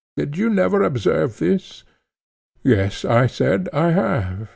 Did you never observe this? Yes, I said, I have.